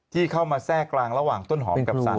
ที่เข้ามาแทรกกลางระหว่างต้นหอมกับสัตว